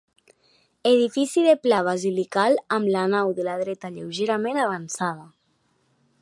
Edifici de pla basilical amb la nau de la dreta lleugerament avançada.